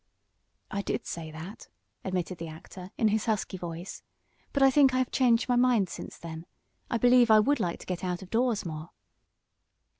"I did say that," admitted the actor, in his husky voice; "but I think I have changed my mind since then. I believe I would like to get out of doors more."